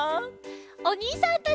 おにいさんたち！